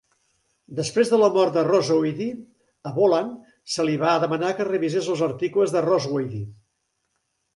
Després de la mort de Rosweyde, a Bolland se li va demanar que revisés els articles de Rosweyde.